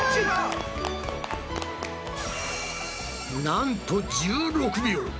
なんと１６秒！